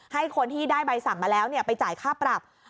ให้คนที่ได้ใบสั่งมาแล้วไปจ่ายค่าปรับ